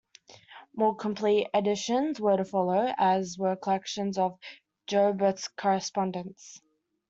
More complete editions were to follow, as were collections of Joubert's correspondence.